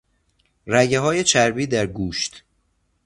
رگههای چربی در گوشت